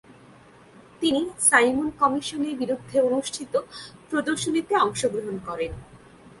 তিনি সাইমন কমিশনের বিরুদ্ধে অনুষ্ঠিত প্রদর্শনিতে অংশগ্রহণ করেন ।